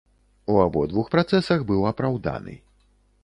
У абодвух працэсах быў апраўданы.